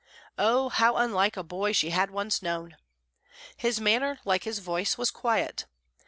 Oh, how unlike a boy she had once known! His manner, like his voice, was quiet.